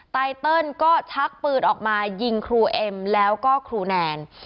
ไตเติลก็ชักปืนออกมายิงครูเอ็มแล้วก็ครูแนน